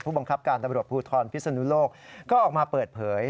บังคับการตำรวจภูทรพิศนุโลกก็ออกมาเปิดเผย